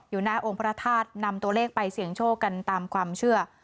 หน้าองค์พระธาตุนำตัวเลขไปเสี่ยงโชคกันตามความเชื่อ